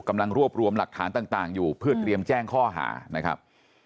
กำลังรวบรวมหลักฐานต่างอยู่เพื่อเตรียมแจ้งข้อหานะครับ